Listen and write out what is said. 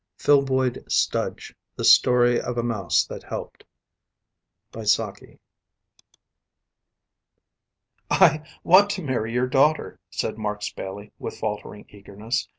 FILBOID STUDGE, THE STORY OF A MOUSE THAT HELPED "I want to marry your daughter," said Mark Spayley with faltering eagerness.